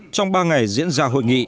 trong ba ngày diễn ra hội nghị